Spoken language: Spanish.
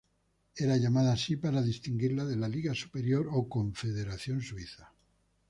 Era llamada así para distinguirla de la Liga Superior o Confederación Suiza.